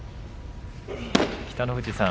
北の富士さん